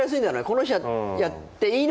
この人やっていいのかな